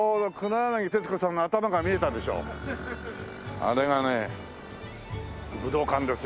あれがね武道館ですよ。